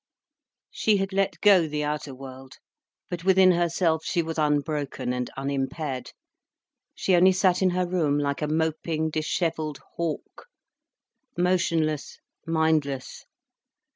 She had let go the outer world, but within herself she was unbroken and unimpaired. She only sat in her room like a moping, dishevelled hawk, motionless, mindless.